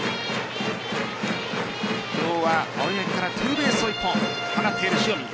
今日は青柳からツーベースを１本放っている塩見。